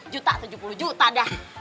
tujuh puluh juta tujuh puluh juta dah